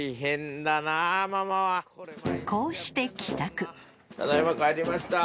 ［こうして帰宅］ただ今帰りました。